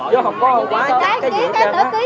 chứ không có quá chất cái dưỡng trên đó